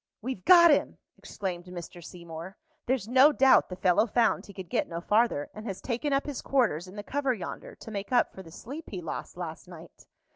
"We've got him!" exclaimed Mr. Seymour. "There's no doubt the fellow found he could get no farther, and has taken up his quarters in the cover yonder, to make up for the sleep he lost last night."